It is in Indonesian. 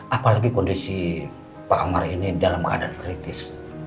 apalagi kondisi pak amar ini dalam keadaan kritis